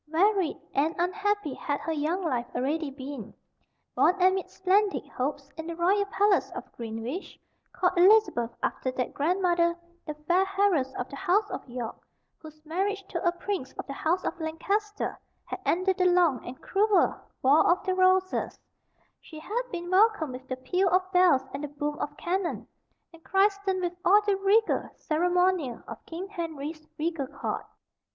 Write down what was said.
Varied and unhappy had her young life already been. Born amid splendid hopes, in the royal palace of Greenwich; called Elizabeth after that grandmother, the fair heiress of the House of York, whose marriage to a prince of the House of Lancaster had ended the long and cruel War or the Roses; she had been welcomed with the peal of bells and the boom of cannon, and christened with all the regal ceremonial of King Henry's regal court.